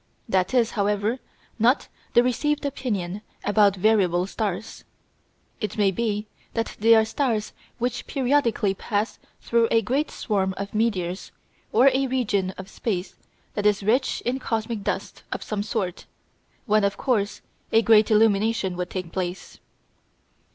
That is, however, not the received opinion about variable stars. It may be that they are stars which periodically pass through a great swarm of meteors or a region of space that is rich in cosmic dust of some sort, when, of course, a great illumination would take place.